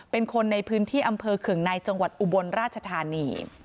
เป็นคนในพื้นที่อำเภอขึงในจังหวัดอุบลราชธานี